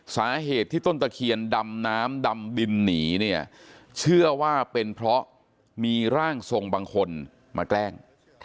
สาเหตุที่ต้นตะเคียนดำน้ำดำดินหนีเนี่ยเชื่อว่าเป็นเพราะมีร่างทรงบางคนมาแกล้ง